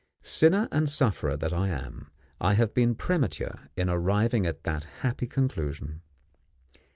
Sinner and sufferer that I am, I have been premature in arriving at that happy conclusion!